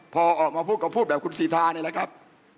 พอออกมาพูดก็พูดแบบคุณสีทานี่แหละครับ